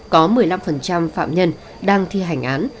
có một mươi năm phạm nhân đang thi hành án